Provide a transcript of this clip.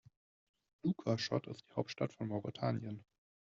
Nouakchott ist die Hauptstadt von Mauretanien.